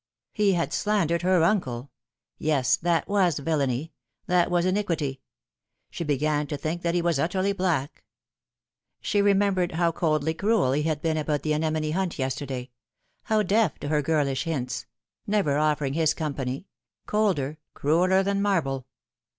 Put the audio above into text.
He had slandered her uncle yes, that was villainy, that was iniquity. She began to think that he was utterly black. Sh<> Not Proven, 225 remembered how coldly cruel he had been about the anemone hunt yesterday ; how deaf to her girlish hints ; never offering his company : colder, crueller than marble.